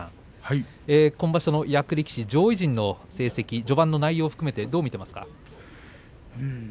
今場所の役力士、上位陣の成績序盤の内容を含めてどうですか。